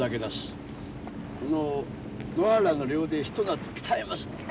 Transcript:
この野原の寮で一夏鍛えますねん。